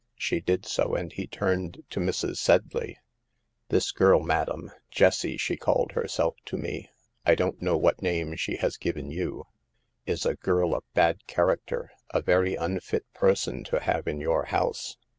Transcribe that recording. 6 She did so, and he turned to Mrs. Sedley: " 6 " This girl, madam — Jessie she called herself to me; I don't know what name she THE PERILS OF POVERTY. 157 has given you — is a girl of bad character, a very unfit person to have in your house."